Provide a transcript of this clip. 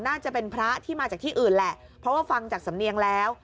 น่าจะเป็นพระที่มาจากที่อื่นแหละเพราะว่าฟังจากสำเนียงแล้ว